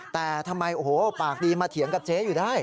แต่ทำไมโอ้โหปากดีมาเถียงกับเจ๊อยู่ได้